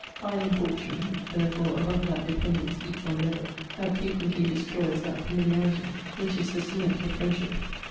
High in fortune, therefore above that dependence each on the other that frequently destroys that familiarity which is the cement of friendship.